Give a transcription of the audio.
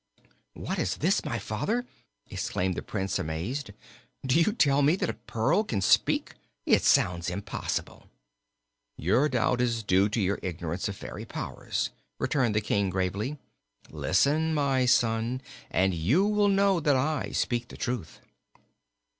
"What is this, my father!" exclaimed the Prince, amazed; "do you tell me that a pearl can speak? It sounds impossible." "Your doubt is due to your ignorance of fairy powers," returned the King, gravely. "Listen, my son, and you will know that I speak the truth."